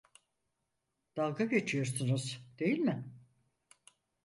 Dalga geçiyorsunuz, değil mi?